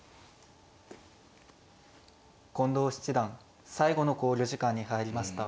近藤七段最後の考慮時間に入りました。